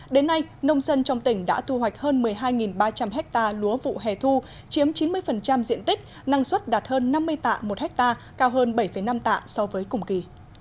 đến nay nông dân trong tỉnh đã thu hoạch hơn một mươi hai ba trăm linh ha lúa vụ hè thu chiếm chín mươi diện tích năng suất đạt hơn năm mươi tạ một ha cao hơn bảy năm tạ so với cùng kỳ